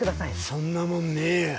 そんなもんねえや。